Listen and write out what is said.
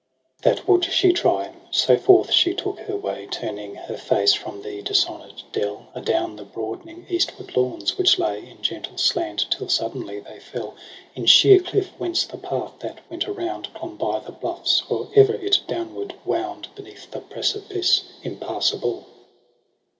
AUGUST 135 6 That would she try : so forth she took her way, Turning her face from the dishonour'd dell, Adown the broadening eastward lawns, which lay In gentle slant, tUI suddenly they fell In sheer cliff ; whence the path that went around, Clomb by the bluffs, or e'er it downward wound Beneath that precipice impassable.